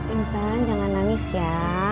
intan jangan nangis ya